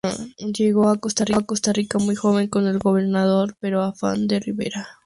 Llegó a Costa Rica muy joven, con el gobernador Pero Afán de Ribera.